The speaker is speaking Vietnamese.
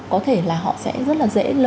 có thể là họ sẽ rất là dễ